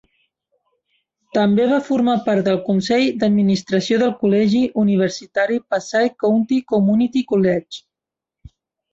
També va formar part del consell d'administració del Col·legi Universitari Passaic County Community College.